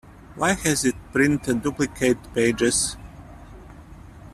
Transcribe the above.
Why has it printed duplicate pages?